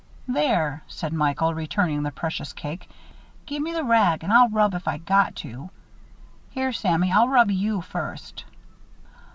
"There," said Michael, returning the precious cake. "Gimme the rag and I'll rub if I got to. Here, Sammy, I'll rub you first."